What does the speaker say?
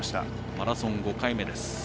マラソン５回目です。